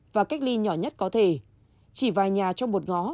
và cách ly nhỏ nhất có thể chỉ vài nhà trong một ngó